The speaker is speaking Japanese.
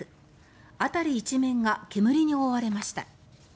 辺り一面が煙に覆われました。